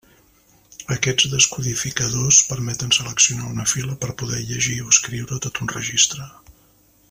Aquests descodificadors permeten seleccionar una fila per poder llegir o escriure tot un registre.